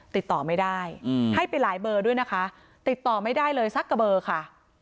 ติดต่อไม่ได้ให้ไปหลายเบอร์ด้วยนะคะติดต่อไม่ได้เลยสักกระเบอร์ค่ะ